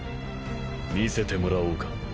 見せてもらおうか。